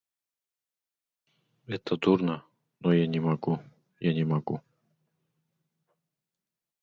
Это дурно, но я не могу, я не могу.